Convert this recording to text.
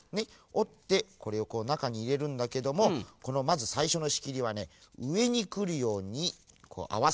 おってこれをこうなかにいれるんだけどもこのまずさいしょのしきりはねうえにくるようにこうあわせますね。